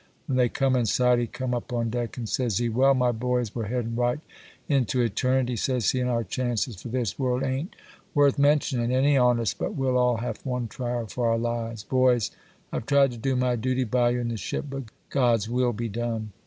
When they come in sight, he come up on deck, and says he, "Well, my boys, we're headin' right into eternity," says he, "and our chances for this world a'n't worth mentionin', any on us; but we'll all have one try for our lives. Boys, I've tried to do my duty by you and the ship—but God's will be done!